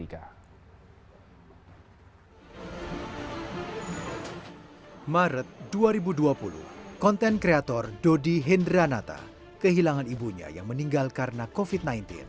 maret dua ribu dua puluh konten kreator dodi hendranata kehilangan ibunya yang meninggal karena covid sembilan belas